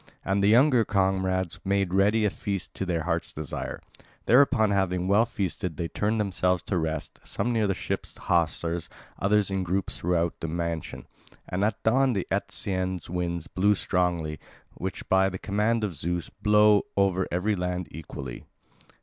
And the younger comrades made ready a feast to their hearts' desire. Thereupon having well feasted they turned themselves to rest, some near the ship's hawsers, others in groups throughout the mansion. And at dawn the Etesian winds blew strongly, which by the command of Zeus blow over every land equally.